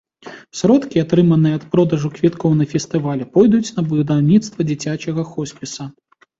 Сродкі, атрыманыя ад продажу квіткоў на фестываль, пойдуць на будаўніцтва дзіцячага хоспіса.